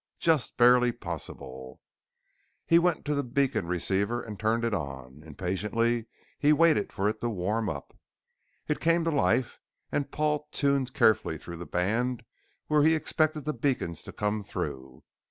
"Just barely possible " He went to the beacon receiver and turned it on. Impatiently he waited for it to warm up. It came to life and Paul tuned carefully through the band where he expected the beacons to come through.